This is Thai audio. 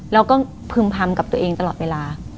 แล้วก็พึ่มพำกับตัวเองตลอดเวลา